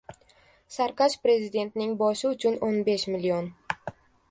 Sarkash prezidentning boshi uchun o'n besh million